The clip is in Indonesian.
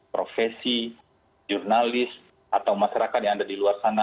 profesi jurnalis atau masyarakat yang ada di luar sana